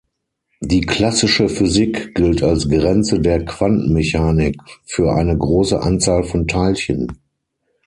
Die klassische Physik gilt als Grenze der Quantenmechanik für eine große Anzahl von Teilchen.